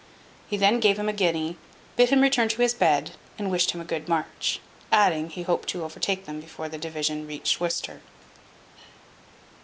He then gave him a guinea, bid him return to his bed, and wished him a good march; adding, he hoped to overtake them before the division reached Worcester.